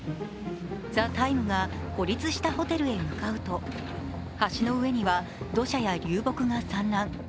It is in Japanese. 「ＴＨＥＴＩＭＥ，」が孤立したホテルへ向かうと橋の上には、土砂や流木が散乱。